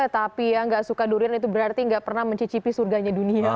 tapi yang gak suka durian itu berarti nggak pernah mencicipi surganya dunia